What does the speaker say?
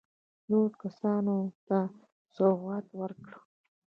نورو کسانو ته سوغات ورکړ.